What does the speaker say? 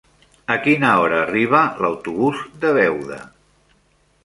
A quina hora arriba l'autobús de Beuda?